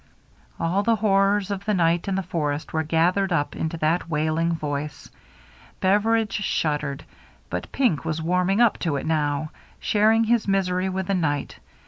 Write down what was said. " All the horrors of the night and the forest were gathered up into that wailing voice. Beveridge shuddered. But Pink was warm ing up to it now, sharing his misery with the night.